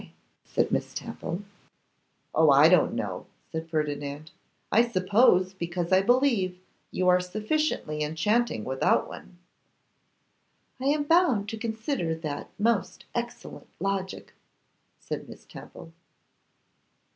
said Miss Temple. 'Oh! I don't know,' said Ferdinand; 'I suppose because I believe you are sufficiently enchanting without one.' 'I am bound to consider that most excellent logic,' said Miss Temple.